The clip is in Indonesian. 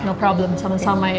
no problem sama sama